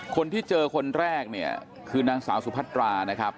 คนที่เจอคนแรกเนี่ยคือนางสาวสุพัตรานะครับ